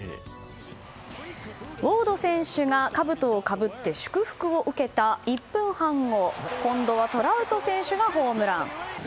ウォード選手がかぶとをかぶって祝福を受けた１分半後今度はトラウト選手がホームラン。